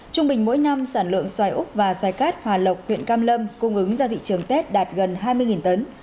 trung bình mỗi năm sản lượng xoài úc và xoài cát hòa lộc huyện cam lâm cung ứng ra thị trường tết đạt gần hai mươi tấn